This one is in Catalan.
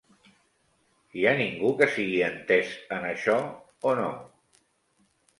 Hi ha ningú que sigui entès en això o no?